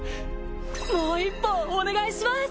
もう一本お願いします！